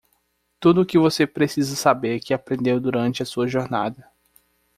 Tudo o que você precisa saber que aprendeu durante a sua jornada.